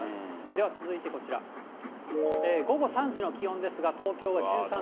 では続いてこちら、午後３時の気温ですが、東京は１３．９度。